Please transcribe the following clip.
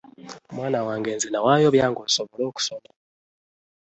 Mwana wange nze nawaayo byange osobole okusoma.